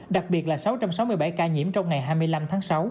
đặc biệt là sáu trăm sáu mươi bảy ca nhiễm trong ngày hai mươi năm tháng sáu